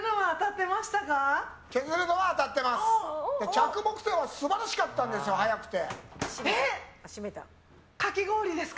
着目点は素晴らしかったんですよ、早くて。